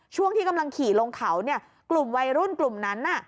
ช่วงที่กำลังขี่ลงเขาเนี่ยกลุ่มวัยรุ่นกลุ่มนั้น